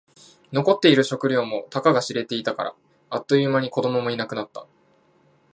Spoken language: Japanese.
残っている食料もたかが知れていたから。あっという間に子供もいなくなった。